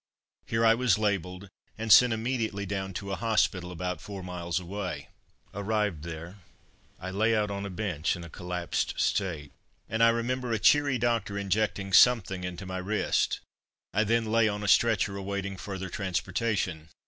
Here I was labelled and sent immediately down to a hospital about four miles away. Arrived there, I lay out on a bench in a collapsed state, and I remember a cheery doctor injecting something into my wrist. I then lay on a stretcher awaiting further transportation.